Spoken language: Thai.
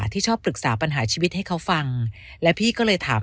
ที่ชอบปรึกษาปัญหาชีวิตให้เขาฟังและพี่ก็เลยถาม